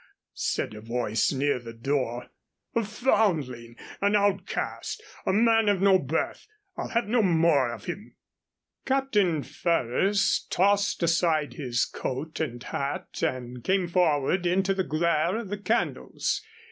said a voice near the door. "A foundling an outcast a man of no birth I'll have no more of him." Captain Ferrers tossed aside his coat and hat and came forward into the glare of the candles.